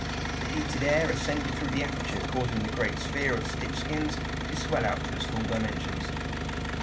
The heated air ascended through the aperture, causing the great sphere of stitched skins to swell out to its full dimensions.